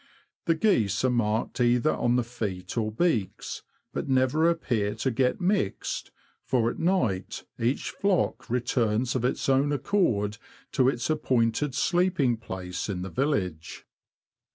The geese are marked either on the feet or beaks, but never appear to get mixed, for at night each flock returns of its own accord to its appointed sleeping place in the village.